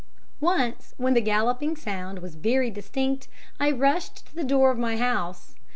"Once, when the galloping sound was very distinct, I rushed to the door of my house.